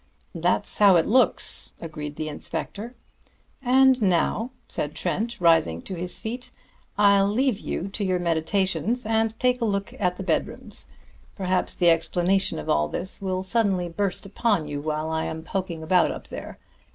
"That's how it looks," agreed the inspector. "And now," said Trent, rising to his feet, "I'll leave you to your meditations, and take a look at the bedrooms. Perhaps the explanation of all this will suddenly burst upon you while I am poking about up there.